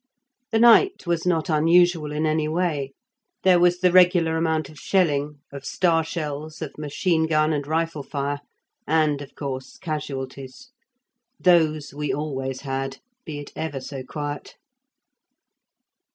The night was not unusual in any way. There was the regular amount of shelling, of star shells, of machine gun and rifle fire, and of course, casualties. Those we always had, be it ever so quiet.